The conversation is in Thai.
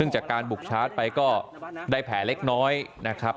จากการบุกชาร์จไปก็ได้แผลเล็กน้อยนะครับ